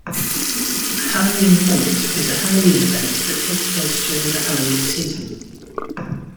Halloween Haunt is a Halloween event that takes place during the Halloween season.